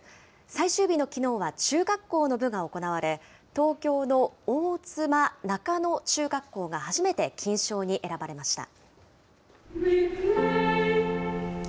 最終日のきのうは中学校の部が行われ、東京の大妻中野中学校が初めて金賞に選ばれました。